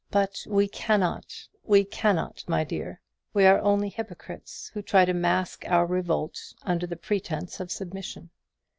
But we cannot we cannot, my dear. We are only hypocrites, who try to mask our revolt under the pretence of submission.